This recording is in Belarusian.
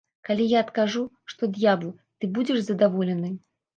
Калі я адкажу, што д'ябал, ты будзеш задаволены?